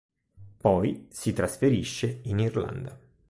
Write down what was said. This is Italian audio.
Poi si trasferisce in Irlanda.